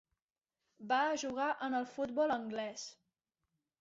Va jugar en el futbol anglès.